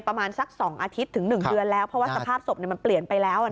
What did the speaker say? ประมาณสักสองอาทิตย์ถึงหนึ่งเดือนแล้วเพราะว่าสภาพศพเนี่ยมันเปลี่ยนไปแล้วอะนะคะ